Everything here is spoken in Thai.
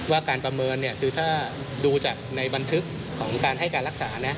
ว่าการประเมินคือถ้าดูจากในบันทึกของการรักษา